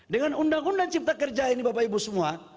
dengan undang undang cipta kerja ini bapak ibu semua